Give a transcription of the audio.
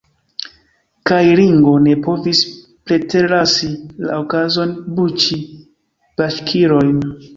Kaj Ringo ne povis preterlasi la okazon buĉi baŝkirojn.